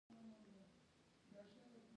په افغانستان کې د فاریاب په اړه زده کړه کېږي.